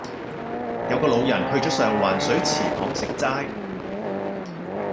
有個老人去左上環水池巷食齋